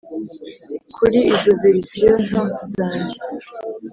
kuri izo verisiyo nto zanjye,